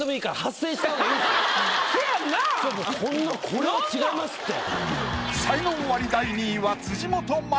これは違いますって。